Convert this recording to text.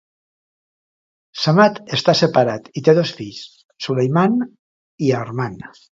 Samad està separat i té dos fills, Soleiman i Arman.